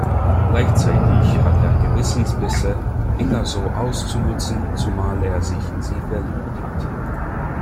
Gleichzeitig hat er Gewissensbisse, Inga so auszunutzen, zumal er sich in sie verliebt hat.